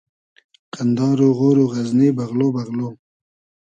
قئندار و غۉر و غئزنی بئغلۉ بئغلۉ